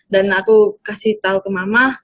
dan aku kasih tau ke mama